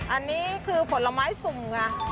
อันนี้คือผลไม้สุ่มไง